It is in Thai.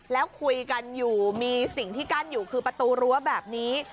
แล้วคุยกันอยู่มีสิ่งที่กั้นอยู่คือประตูรั้วแบบนี้